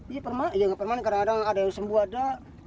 iya permanen kadang kadang ada yang sembuh ada